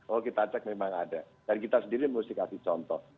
oh kita cek memang ada dan kita sendiri mesti kasih contoh